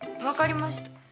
分かりました。